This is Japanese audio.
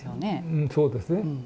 うんそうですね。